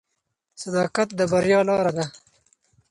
صداقت د بریا لاره ده.